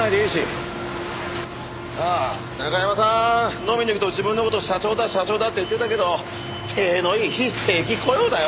ああ中山さん飲みに行くと自分の事社長だ社長だって言ってたけど体のいい非正規雇用だよ。